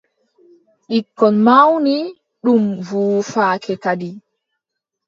Ɓikkon mawni, ɗum wuufake kadi.